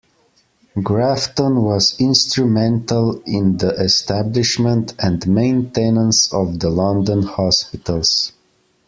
Grafton was instrumental in the establishment and maintenance of the London hospitals.